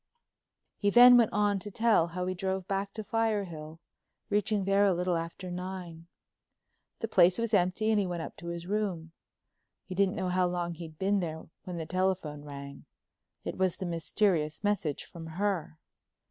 He then went on to tell how he drove back to Firehill, reaching there a little after nine. The place was empty and he went up to his room. He didn't know how long he'd been there when the telephone rang. It was the mysterious message from her.